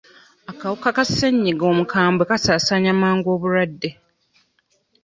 Akawuka ka ssennyiga omukwambwe kasaasaanya mangu obulwadde.